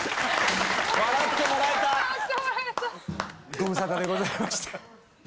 ご無沙汰でございました。